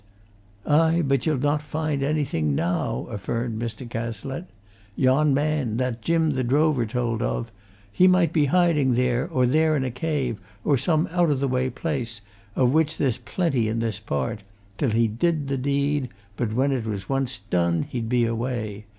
"Aye, but ye'll not find anything now!" affirmed Mr. Cazalette. "Yon man, that Jim the drover told of, he might be hiding here or there in a cave, or some out o' the way place, of which there's plenty in this part, till he did the deed, but when it was once done, he'd be away!